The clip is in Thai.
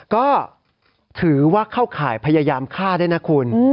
ก็ถือว่าเข้าข่ายพยายามฆ่าด้วยนะคุณ